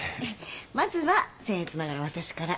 まずはせんえつながら私から。